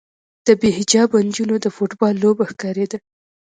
د بې حجابه نجونو د فوټبال لوبه ښکارېده.